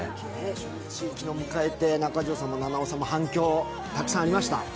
初日を迎えて、中条さんも、菜々緒さんも反響ありましたか？